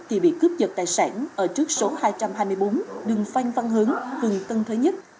thì bị cướp giật tài sản ở trước số hai trăm hai mươi bốn đường phanh văn hướng vườn tân thới nhất